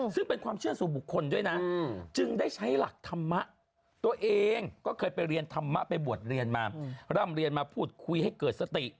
ซึ่งเป็นความเชื่อสู่บุคคลด้วยนะจึงได้ใช้หลักธรรมะตัวเองก็เคยไปเรียนธรรมะไปบวชเรียนมาร่ำเรียนมาพูดคุยให้เกิดสติ